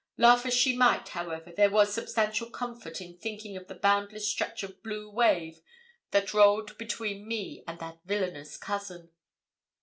Laugh as she might, however, there was substantial comfort in thinking of the boundless stretch of blue wave that rolled between me and that villainous cousin.